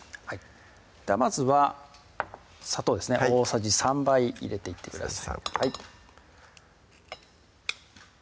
まずは砂糖ですね大さじ３杯入れていってください